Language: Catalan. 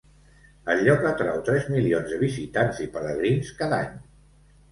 El lloc atrau tres milions de visitants i pelegrins cada any.